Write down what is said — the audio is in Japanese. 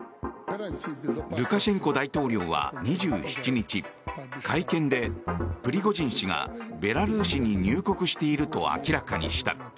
ルカシェンコ大統領は２７日会見でプリゴジン氏がベラルーシに入国していると明らかにした。